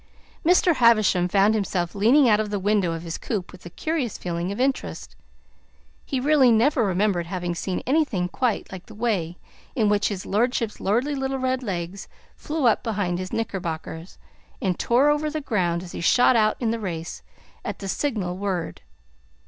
Mr. Havisham found himself leaning out of the window of his coupe with a curious feeling of interest. He really never remembered having seen anything quite like the way in which his lordship's lordly little red legs flew up behind his knickerbockers and tore over the ground as he shot out in the race at the signal word.